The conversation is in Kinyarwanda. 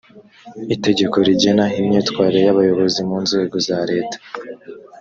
itegeko rigena imyitwarire y’abayobozi mu nzego za leta